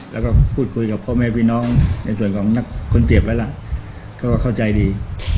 แล้วก็พูดคุยกับพ่อแม่พี่น้องในส่วนของนักคนเจ็บไว้ล่ะเขาก็เข้าใจดี